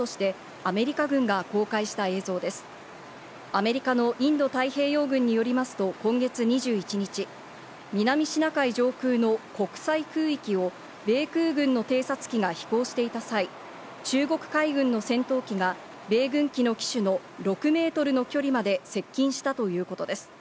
アメリカのインド太平洋軍によりますと今月２１日、南シナ海上空の国際空域を米空軍の偵察機が飛行していた際、中国海軍の戦闘機が米軍機の機首の６メートルの距離まで接近したということです。